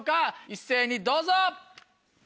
一斉にどうぞ！